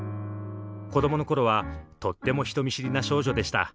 子どもの頃はとっても人見知りな少女でした。